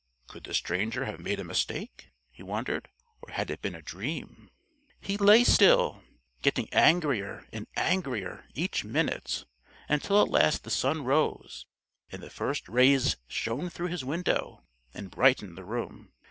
"Could the stranger have made a mistake," he wondered, "or had it been a dream?" He lay still, getting angrier and angrier each minute until at last the sun rose, and the first rays shone through his window and brightened the room.